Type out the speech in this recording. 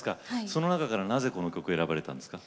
その中からなぜこの曲を選ばれたんですか？